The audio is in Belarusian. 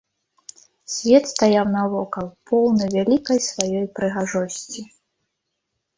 Свет стаяў навокал, поўны вялікай сваёй прыгажосці.